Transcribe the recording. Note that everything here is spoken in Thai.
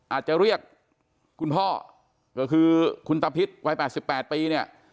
อาจจะเรียกคุณพ่อก็คือคุณตาพิษวัย๘๘ปีเนี่ย